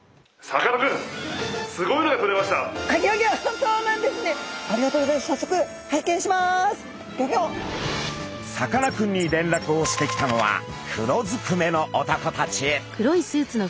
さかなクンにれんらくをしてきたのは黒ずくめの男たち。